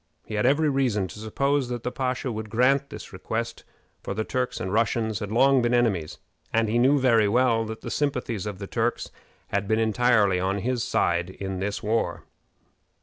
He had every reason to suppose that the pasha would grant this request, for the Turks and Russians had long been enemies, and he knew very well that the sympathies of the Turks had been entirely on his side in this war.